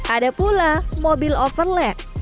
ada pula mobil overland